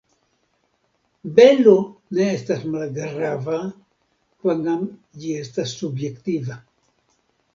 Belo ne estas malgrava, kvankam ĝi estas subjektiva.